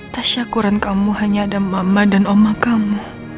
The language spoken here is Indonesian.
tak syakuran kamu hanya ada mama dan oma kamu